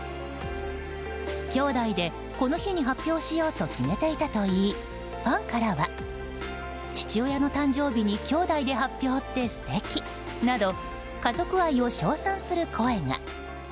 兄弟でこの日に発表しようと決めていたといいファンからは、父親の誕生日に兄弟で発表って素敵など家族愛を称賛する声が。